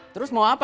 terus mau apa